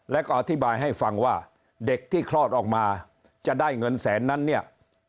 แล้วก็อธิบายให้ฟังว่าเด็กที่คลอดออกมาจะได้เงินแสนนั้นเนี่ย